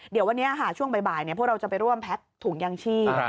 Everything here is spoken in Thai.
เดี๋ยววันนี้ช่วงบ่ายพวกเราจะไปร่วมแพ็กถุงยางชีพ